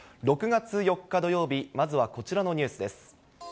６月４日土曜日、まずは、こちらのニュースです。